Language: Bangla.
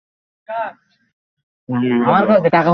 ধন্যবাদ, বাবা।